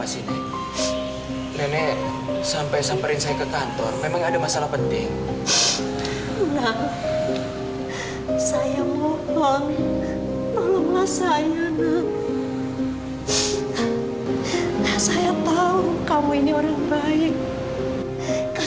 sampai jumpa di video selanjutnya